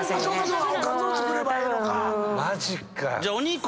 おかずを作ればええのか。